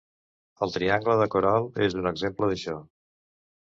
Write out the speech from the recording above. El triangle de coral és un exemple d’això.